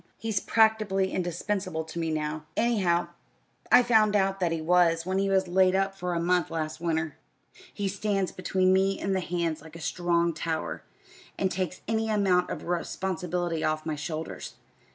"He's practically indispensable to me now anyhow, I found out that he was when he was laid up for a month last winter. He stands between me and the hands like a strong tower, and takes any amount of responsibility off my shoulders.